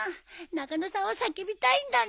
中野さんは叫びたいんだね。